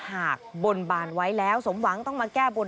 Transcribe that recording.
บนบานไว้แล้วสมหวังต้องมาแก้บน